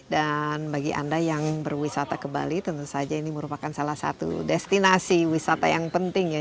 dan bagi anda yang berwisata ke bali tentu saja ini merupakan salah satu destinasi wisata yang penting ya